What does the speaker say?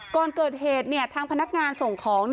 ก่อนเกิดเหตุทางพนักงานส่งของ